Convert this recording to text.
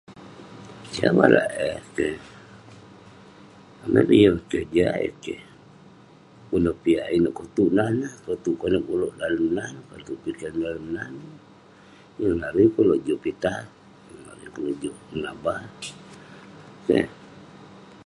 Siah barak eh keh. Amai peh yeng keh, jiak eh keh. Inouk piak, inouk ketuk nah ineh, ketuk konep ulouk dalem nah neh, ketuk piken ulouk dalem nah ineh. Yeng larui kek ulouk juk pitah eh, yeng larui kek ulouk juk menabah eh. Keh.